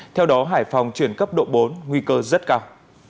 theo đó hải phòng chuyển cấp độ bốn nguy cơ rất cao